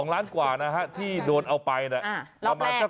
๒ล้านกว่านะคระที่โดนเอาไปประมาณทัก๒๕๐๐๐๐๐